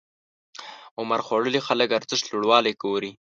عمرخوړلي خلک ارزښت لوړوالی ګوري.